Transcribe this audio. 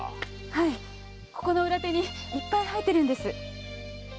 はいここの裏手にいっぱい生えてるんです。